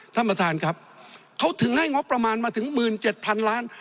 ท่านประธานครับเขาถึงให้งบประมาณมาถึง๑๗๐๐๐ล้าน